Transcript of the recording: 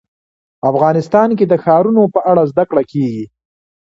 افغانستان کې د ښارونو په اړه زده کړه کېږي.